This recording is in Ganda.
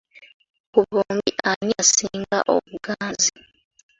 Ku bombi ani asinga obuganzi?